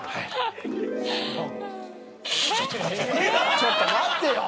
ちょっと待ってよ。